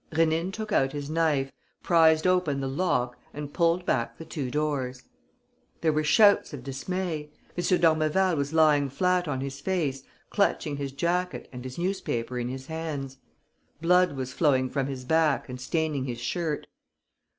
Rénine took out his knife, prized open the lock and pulled back the two doors. There were shouts of dismay. M. d'Ormeval was lying flat on his face, clutching his jacket and his newspaper in his hands. Blood was flowing from his back and staining his shirt.